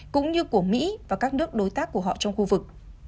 cũng như của mỹ và các nước đối tác của họ trong khu vực